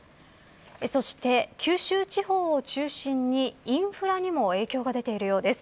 そして九州地方を中心にインフラにも影響が出ているようです。